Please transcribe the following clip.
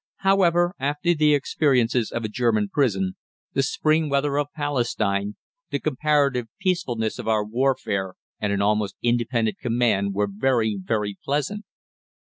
However, after the experiences of a German prison, the spring weather of Palestine, the comparative peacefulness of our warfare, and an almost independent command were very, very pleasant.